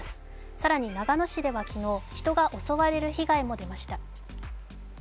更に長野市では昨日、人が襲われる被害が出ました。